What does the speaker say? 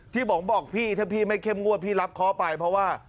บอกพี่ถ้าพี่ไม่เข้มงวดพี่รับเคาะไปเพราะว่า